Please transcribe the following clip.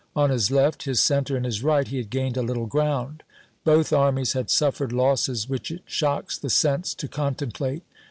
On his left, his cen ter, and his right, he had gained a little ground. Both armies had suffered losses which it shocks the sense to contemplate.